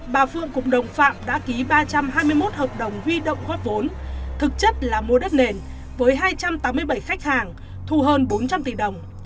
bà phương cùng đồng phạm đã ký ba trăm hai mươi một hợp đồng huy động góp vốn thực chất là mua đất nền với hai trăm tám mươi bảy khách hàng thu hơn bốn trăm linh tỷ đồng